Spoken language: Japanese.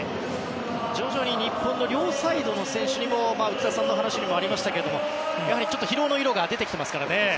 徐々に日本の両サイドの選手にも内田さんの話にもありましたがやはり疲労の色が出てきてますからね。